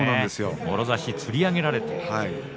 もろ差しでつり上げられる。